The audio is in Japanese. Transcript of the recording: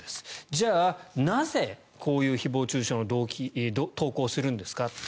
じゃあ、なぜ、こういう誹謗・中傷の投稿をするんですかと。